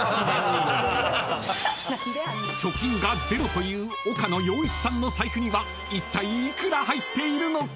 ［貯金がゼロという岡野陽一さんの財布にはいったい幾ら入っているのか？］